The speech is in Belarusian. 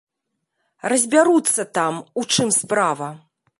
Разбяруцца там, у чым справа.